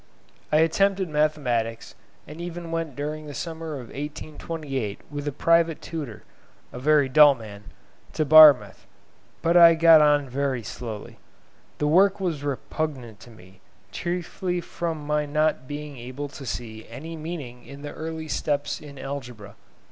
I attempted mathematics, and even went during the summer of 1828 with a private tutor (a very dull man) to Barmouth, but I got on very slowly. The work was repugnant to me, chiefly from my not being able to see any meaning in the early steps in algebra.